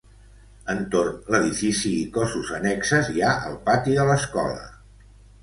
Entorn l’edifici i cossos annexes, hi ha el pati de l’escola.